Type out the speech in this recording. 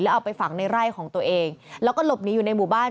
เอาไปฝังในไร่ของตัวเองแล้วก็หลบหนีอยู่ในหมู่บ้าน